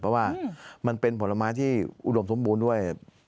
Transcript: เพราะว่ามันเป็นผลไม้ที่อุดมสมบูรณ์ด้วย